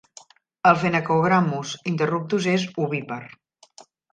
El Phenacogrammus interruptus és ovípar.